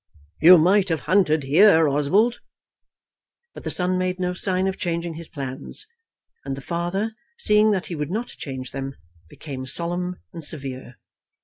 "You might have hunted here, Oswald." But the son made no sign of changing his plans; and the father, seeing that he would not change them, became solemn and severe.